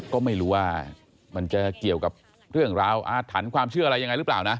ก็ไม่รู้ว่ามันจะเกี่ยวกับเรื่องราวอาถรรพ์ความเชื่ออะไรยังไงหรือเปล่านะ